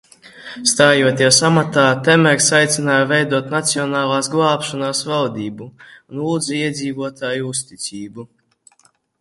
"Stājoties amatā, Temers aicināja veidot "nacionālās glābšanas" valdību un lūdza iedzīvotāju uzticību."